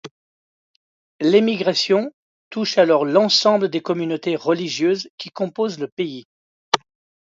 L'émigration touche alors l'ensemble des communautés religieuses qui composent le pays.